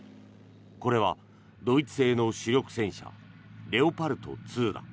これは、ドイツ製の主力戦車レオパルト２だ。